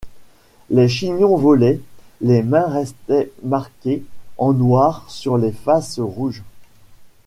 Les chignons volaient, les mains restaient marquées en noir sur les faces rouges.